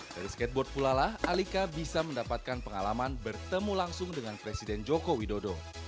dari skateboard pula lah alika bisa mendapatkan pengalaman bertemu langsung dengan presiden joko widodo